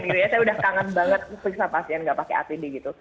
saya udah kangen banget periksa pasien gak pakai apd